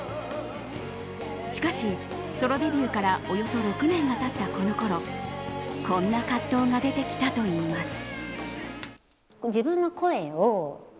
しかし、ソロデビューからおよそ６年が経ったこのころこんな葛藤が出てきたといいます。